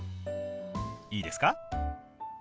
いいですか？